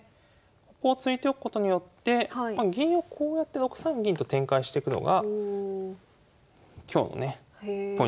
ここを突いておくことによって銀をこうやって６三銀と展開してくのが今日のねポイントです。